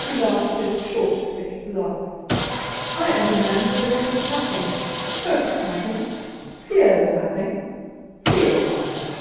He laughed his short thick laugh. "I am a man who believes nothing, hopes nothing, fears nothing, feels nothing.